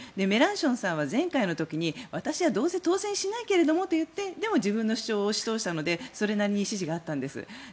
メランションさんは前回の時に私はどうせ当選しないけれどもと言って自分の主張を押し通したのでそれなりに支持があったんです。